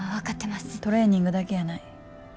トレーニングだけやない。